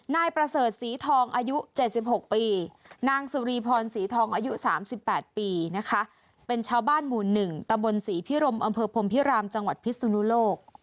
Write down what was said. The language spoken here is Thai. นายประเสริฐศรีทองอายุ๗๖ปีนางสุรีพรศรีทองอายุ๓๘ปีนะคะเป็นชาวบ้านหมู่๑ตำบลศรีพิรมอำเภอพรมพิรามจังหวัดพิศนุโลก